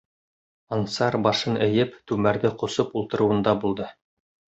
Ансар башын эйеп, түмәрҙе ҡосоп ул-тырыуында булды.